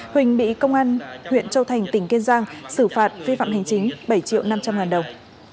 huỳnh bị công an huyện châu thành tỉnh kiên giang xử phạt vi phạm hành chính bảy triệu năm trăm linh ngàn đồng